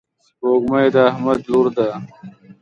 سپوږمۍ د احمد لور ده.